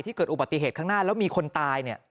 เกิดอุบัติเหตุข้างหน้าแล้วมีคนตายเนี่ย